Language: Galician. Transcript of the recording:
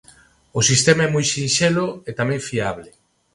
O sistema é moi sinxelo e tamén fiable.